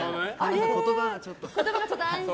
言葉がちょっと。